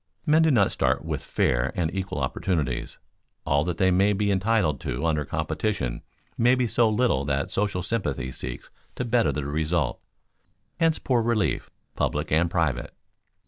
Men do not start with fair and equal opportunities. All that they may be entitled to under competition may be so little that social sympathy seeks to better the result; hence poor relief, public and private.